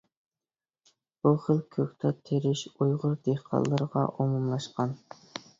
بۇ خىل كۆكتات تېرىش ئۇيغۇر دېھقانلىرىغا ئومۇملاشقان.